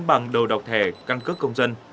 bằng đầu đọc thẻ căn cức công dân